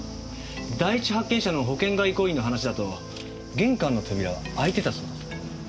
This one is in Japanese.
第一発見者の保険外交員の話だと玄関の扉は開いてたそうです。